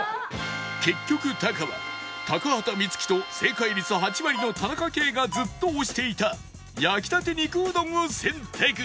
結局タカは高畑充希と正解率８割の田中圭がずっと推していた焼きたて肉うどんを選択